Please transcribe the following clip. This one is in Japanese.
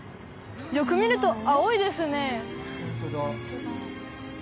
よく見ると青いですね